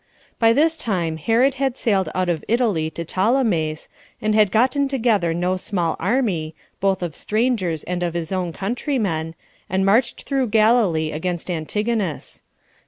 1. By this time Herod had sailed out of Italy to Ptolemais, and had gotten together no small army, both of strangers and of his own countrymen, and marched through Galilee against Antignus.